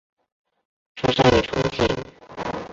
出生于重庆。